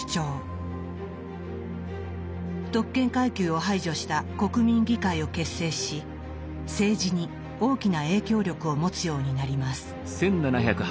特権階級を排除した国民議会を結成し政治に大きな影響力を持つようになります。